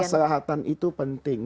kemaslahatan itu penting